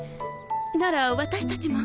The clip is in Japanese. なら私たちも。